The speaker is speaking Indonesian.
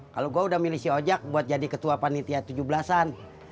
kalau gue udah milisi ojak buat jadi ketua panitia tujuh belas an